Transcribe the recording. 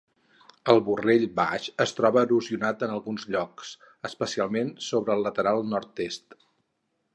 El vorell baix es troba erosionat en alguns llocs, especialment sobre el lateral nord-est.